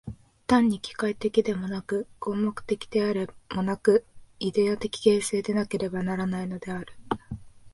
単に機械的でもなく、合目的的でもなく、イデヤ的形成でなければならないのである。